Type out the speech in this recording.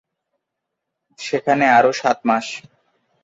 সেখানে আরো সাত মাস।